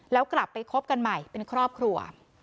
แล้วกลับไปคบกันใหม่เป็นครอบครัว